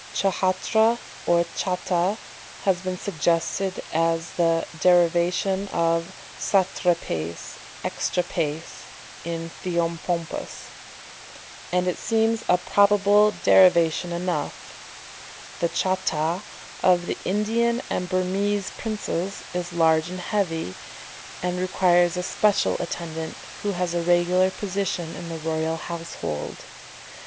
Ch'hatra or cháta has been suggested as the derivation of satrapaes (exatrapaes in Theopompus), and it seems a probable derivation enough. The cháta of the Indian and Burmese princes is large and heavy, and requires a special attendant, who has a regular position in the royal household.